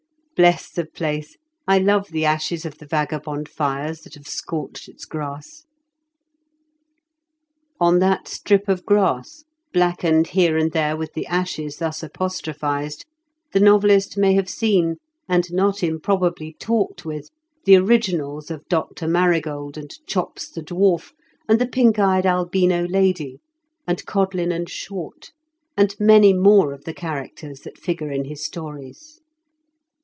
Bless the place, I love the ashes of the vagabond fires that have scorched its grass 1 " On that strip of grass, blackened here and there with the ashes thus apostrophised, the novelist may have seen, and not improbably D i 34 IN KENT WITH CHABLE8 DICKENS. talked with, the originals of Dr. Marigold and Chops the dwarf, and the pink eyed albino lady, and Codlin and Short, and many more of the characters that figure in his stories.